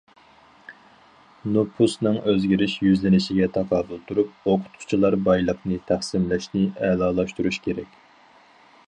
نوپۇسنىڭ ئۆزگىرىش يۈزلىنىشىگە تاقابىل تۇرۇپ، ئوقۇتقۇچىلار بايلىقىنى تەقسىملەشنى ئەلالاشتۇرۇش كېرەك.